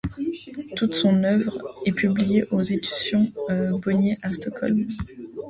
Toute son œuvre est publiée aux éditions Bonnier, à Stockholm.